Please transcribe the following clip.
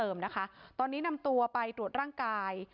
นะคะตอนนี้นำตัวไปตรวจร่างกาย